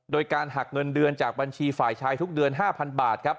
โดยการหักเงินเดือนจากบัญชีฝ่ายชายทุกเดือน๕๐๐บาทครับ